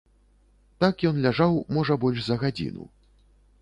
Так ён ляжаў, можа, больш за гадзіну.